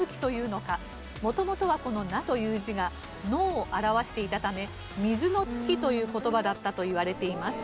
元々はこの「無」という字が「の」を表していたため「水の月」という言葉だったといわれています。